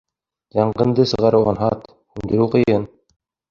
Янғынды сығарыу анһат, һүндереү ҡыйын.